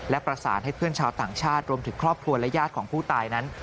และประสานให้เพื่อนชาวต่างชาติรวมถึงครอบครัวและญาติของผู้ตายนั้น